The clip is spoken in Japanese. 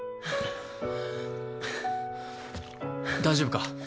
大丈夫か？